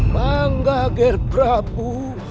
bangga ger prabu